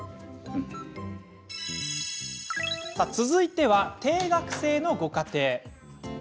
続いては定額制のご家庭。